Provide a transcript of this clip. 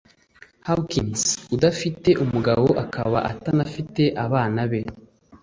Hawkins udafite umugabo akaba atanafite abana be